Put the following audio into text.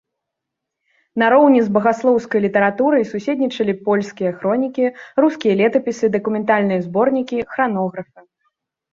Нароўні з багаслоўскай літаратурай суседнічалі польскія хронікі, рускія летапісы, дакументальныя зборнікі, хранографы.